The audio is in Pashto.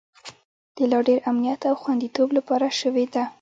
د لا ډیر امنیت او خوندیتوب لپاره شوې ده